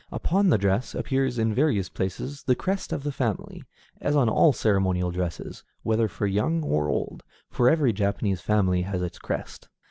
Upon the dress appears in various places the crest of the family, as on all ceremonial dresses, whether for young or old, for every Japanese family has its crest.